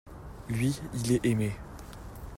Lui, il est aimé.